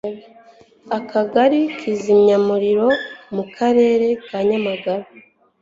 Akagali Kizimyamuriro, mu Karere ka Nyamagabe